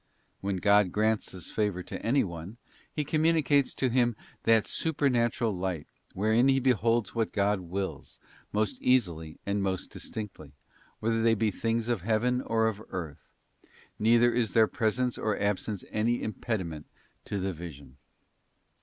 When God grants this favour to any one, He communicates to him that supernatural light, wherein he beholds what God wills, most easily and most distinctly, whether they be things of heaven or of earth; neither is their presence nor absence any im pediment to the vision.